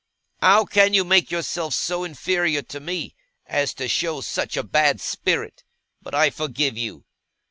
How can you make yourself so inferior to me, as to show such a bad spirit? But I forgive you.